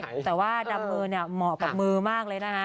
แต่ว่าดำมือเนี่ยเหมาะกับมือมากเลยนะคะ